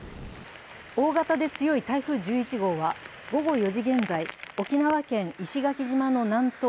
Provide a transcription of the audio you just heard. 大型で強い台風１１号は午後４時現在、沖縄県石垣島の南東